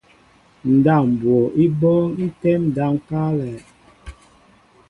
Ndáp mbwo í bɔ́ɔ́ŋ í tɛ́ɛ́m ndáp ŋ̀káálɛ̄.